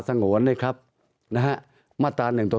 ตั้งแต่เริ่มมีเรื่องแล้ว